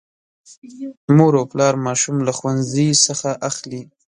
مور او پلا ماشوم له ښوونځي څخه اخلي.